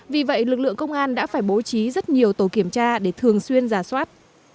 vì vậy lực lượng công an đã phải bố trí rất nhiều tổ kiểm tra để thường xuyên giả soát